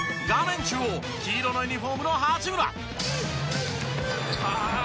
中央黄色のユニホームの八村。